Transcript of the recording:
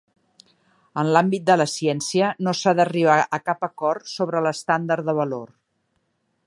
En l’àmbit de la ciència no s’ha d’arribar a cap acord sobre l’estàndard de valor.